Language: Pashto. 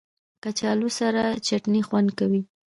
کچالو سره چټني خوند کوي